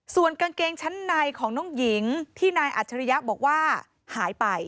ส่วนกางเกงชั้นในของน้องหญิงที่นายอัจฉริยะบอกว่าหายไป